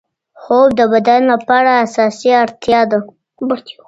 خوب د بدن لپاره اساسي اړتیا ده.